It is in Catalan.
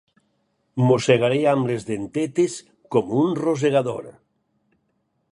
Mossegaré amb les dentetes com un rosegador.